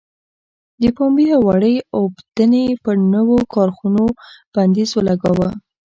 د پنبې او وړۍ اوبدنې پر نویو کارخونو بندیز ولګاوه.